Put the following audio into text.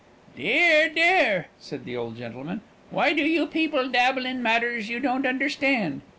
"Dear, dear," said the old gentleman, "why do you people dabble in matters you don't understand?